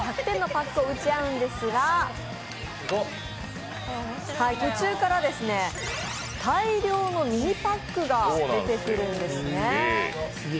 最初は１つ１００点のパックを打ち合うんですが途中から大量のミニパックが出てくるんですね。